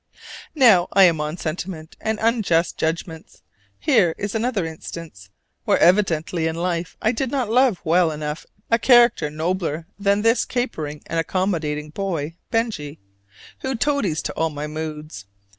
Now I am on sentiment and unjust judgments: here is another instance, where evidently in life I did not love well enough a character nobler than this capering and accommodating boy Benjy, who toadies to all my moods.